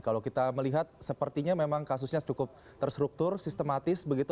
kalau kita melihat sepertinya memang kasusnya cukup terstruktur sistematis begitu